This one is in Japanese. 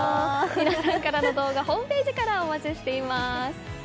皆さんからの動画ホームページからお待ちしています。